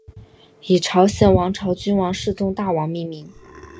以朝鲜王朝君王世宗大王命名。